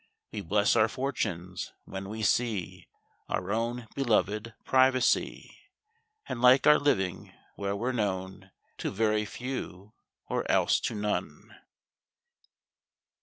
We bless our fortunes, when we see Our own beloved privacy; And like our living, where we're known To very few, or else to none.